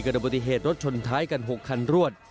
กระดับบุติเหตุรถชนท้ายกัน๖คันรวด